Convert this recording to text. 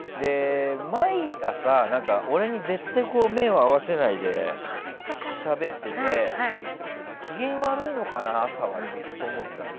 毎朝、俺に絶対目を合わせないでしゃべってて朝は機嫌悪いのかなって思ってたの。